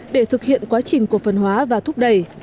để thực hiện quá trình cổ phần hóa và thúc đẩy